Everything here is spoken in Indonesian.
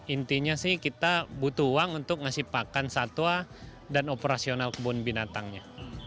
intinya sih kita butuh uang untuk ngasih pakan satwa dan operasional kebun binatangnya